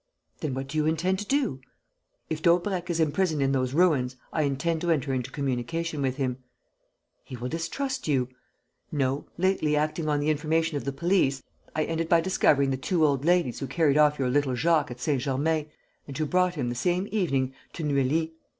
"Then what do you intend to do?" "If Daubrecq is imprisoned in those ruins, I intend to enter into communication with him." "He will distrust you." "No. Lately, acting on the information of the police, I ended by discovering the two old ladies who carried off your little Jacques at Saint Germain and who brought him, the same evening, to Neuilly.